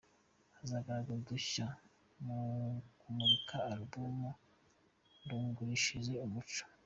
Hazagaragara udushya mu kumurika alubumu “Ntungurishirize umuco”